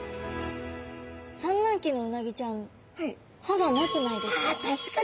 産卵期のうなぎちゃん歯がなくないですか？